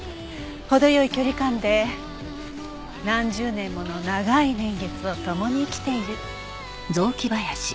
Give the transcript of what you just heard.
程良い距離感で何十年もの長い年月を共に生きている。